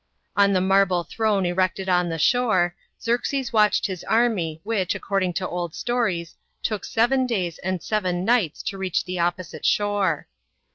On a marble throne erected on the shore, Xerxes watched his army which, according to old stories, took seven days and seven nights to reach the opposite shore.